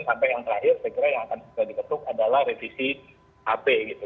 sampai yang terakhir saya kira yang akan segera diketuk adalah revisi hp gitu